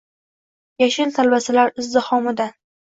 yashil talvasalar izdihomidan.